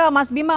saya ke mas bima